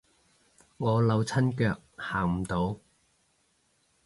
我扭親腳行唔到